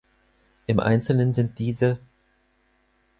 Im Einzelnen sind diese